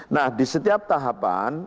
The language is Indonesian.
nah di setiap tahapan